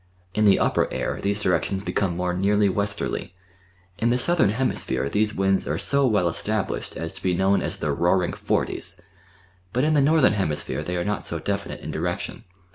In the upper air these directions heeome more nearly westerly, ill the Southern Hemisphere these winds are so \\ell established as to he known as the "roaring forties," hut in the Northern Hemisphere they arc not so definite in direction.